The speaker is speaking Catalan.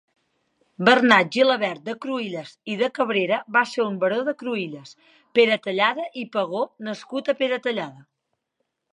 Bernat Gilabert de Cruïlles i de Cabrera va ser un baró de Cruïlles, Peratallada i Pego nascut a Peratallada.